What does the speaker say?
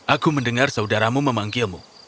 aku mendengar saudaramu memanggilmu